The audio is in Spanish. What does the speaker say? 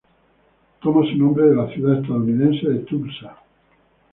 Toma su nombre de la ciudad estadounidense de Tulsa.